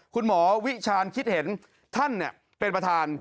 คุณหมอวิชาณคิดเห็นท่านเป็นประธาน